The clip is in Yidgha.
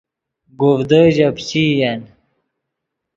گوڤدے ژے پیچئین